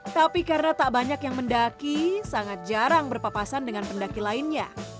tapi karena tak banyak yang mendaki sangat jarang berpapasan dengan pendaki lainnya